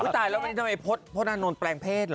ตายแล้วไปไหนพอตพนันโนให้ไปเพชรหรอ